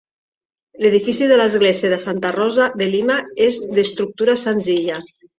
L'edifici de l'església de Santa Rosa de Lima és d'estructura senzilla.